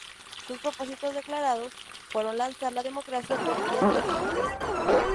Sus propósitos declarados fueron alcanzar la democracia por vías pacíficas.